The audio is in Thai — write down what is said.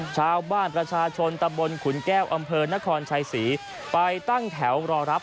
ชาวบ้านประชาชนตะบนขุนแก้วอำเภอนครชัยศรีไปตั้งแถวรอรับ